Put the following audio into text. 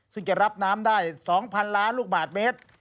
ซึ่งจะรับน้ำได้๒๐๐๐ล้านลูกบาทเมตร